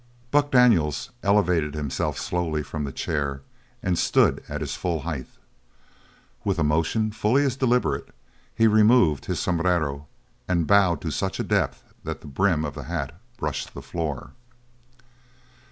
Buck Daniels elevated himself slowly from the chair and stood at his full height. With a motion fully as deliberate he removed his sombrero and bowed to such a depth that the brim of the hat brushed the floor.